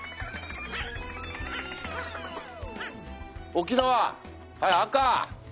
沖縄はい赤。